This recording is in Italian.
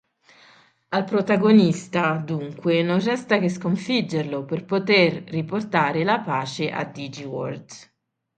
Al protagonista, dunque, non resta che sconfiggerlo, per poter riportare la pace a Digiworld.